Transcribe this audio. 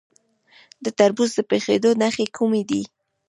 د تربوز د پخیدو نښې کومې دي؟